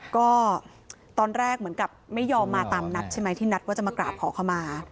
ก็ตอนแรกเหมือนกับไม่ยอมมาตามนัดใช่ไหมที่นัดว่าจะมากราบขอขมา